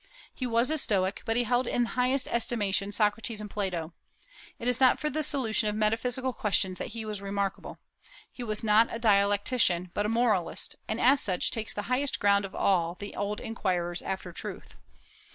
He was a Stoic, but he held in the highest estimation Socrates and Plato. It is not for the solution of metaphysical questions that he was remarkable. He was not a dialectician, but a moralist, and as such takes the highest ground of all the old inquirers after truth.